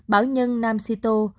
bảo nhân nam sito